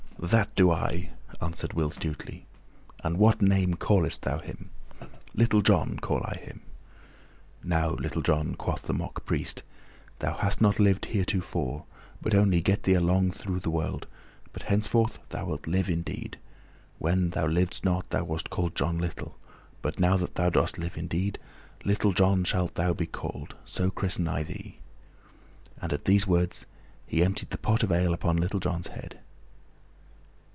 "That do I," answered Will Stutely. "And what name callest thou him?" "Little John call I him." "Now Little John," quoth the mock priest, "thou hast not lived heretofore, but only got thee along through the world, but henceforth thou wilt live indeed. When thou livedst not thou wast called John Little, but now that thou dost live indeed, Little John shalt thou be called, so christen I thee." And at these last words he emptied the pot of ale upon Little John's head.